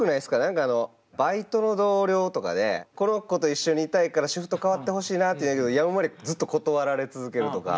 何かあのバイトの同僚とかでこの子と一緒にいたいからシフト替わってほしいなって言うんやけどやんわりずっと断られ続けるとか。